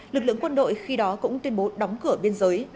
lực lượng quân đội khi đó cũng tuyên bố đóng cửa biên giới